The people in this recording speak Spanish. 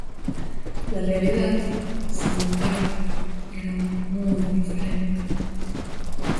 La realidad, sin embargo, era muy diferente.